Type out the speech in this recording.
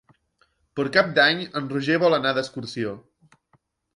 Per Cap d'Any en Roger vol anar d'excursió.